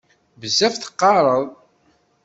Bezzaf teqqareḍ.